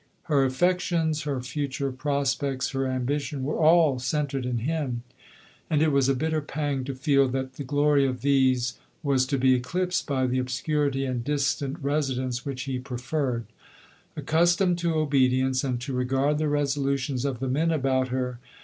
Her affections, her future prospects, her ambition, were all centred in him ; and it was a bitter pang to feel that the glory of these was to be eclipsed by the obscurity and distant residence which he pre ferred. Accustomed to obedience, and to re gard the resolutions of the men about her.